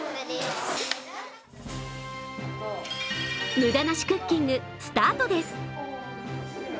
無駄なしクッキング、スタートです。